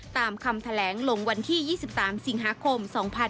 ตามคำแถลงลงวันที่๒๓สิงหาคม๒๕๕๙